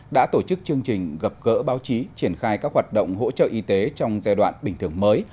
đã tổ chức chương trình gặp gỡ báo chí triển khai các hoạt động hỗ trợ y tế trong giai đoạn bình thường mới